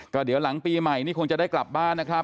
ก็เดี๋ยวหลังปีใหม่นี่คงจะได้กลับบ้านนะครับ